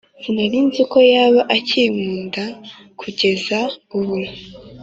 Sinarinziko yaba akinkunda kugeza ubu